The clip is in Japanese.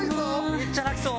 めっちゃ泣きそう。